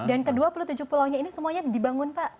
dan ke dua puluh tujuh pulau ini semuanya dibangun pak